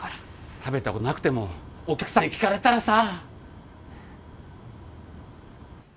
食べたことなくてもお客様に聞かれたらさぁ！